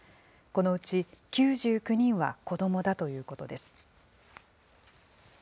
このうち９９人は子どもだということです。